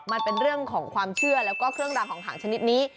มันเป็นเรื่องของความเชื่อแล้วก็เครื่องรางของหางชนิดนี้